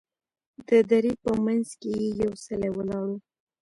د درې په منځ کې یې یو څلی ولاړ و.